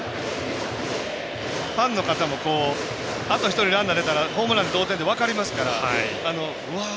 ファンの方もあと一人でランナーが出たらホームランで同点って分かりますからわあ！